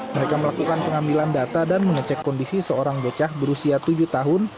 mereka melakukan pengambilan data dan mengecek kondisi seorang bocah berusia tujuh tahun